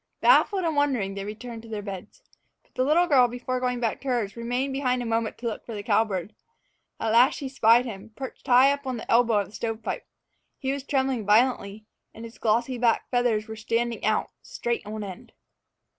Baffled and wondering, they returned to their beds. But the little girl, before going back to hers, remained behind a moment to look for the cowbird. At last she spied him, perched high up on the elbow of the stovepipe. He was trembling violently, and his glossy, black feathers were standing out straight on end.